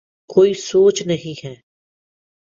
کوئی سوچ نہیں ہے۔